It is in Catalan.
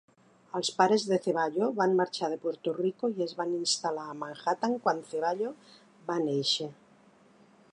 Els pares de Ceballo van marxar de Puerto Rico i es van instal·lar a Manhattan quan Ceballo va néixer.